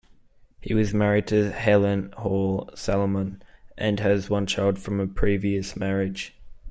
He was married to Helen Hall-Salomon, and has one child from a previous marriage.